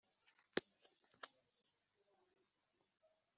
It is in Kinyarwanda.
bahageze nawe ababwira ko yatandukanye na ntampuhwe batagiterana.